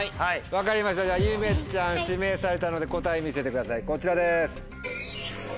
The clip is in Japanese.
分かりましたゆめちゃん指名されたので答え見せてくださいこちらです。